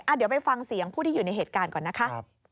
เดี๋ยวไปฟังเสียงผู้ที่อยู่ในเหตุการณ์ก่อนนะคะ